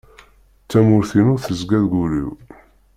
Tamurt-inu tezga deg ul-iw.